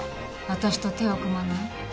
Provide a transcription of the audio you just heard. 私と手を組まない？